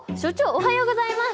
おはようございます！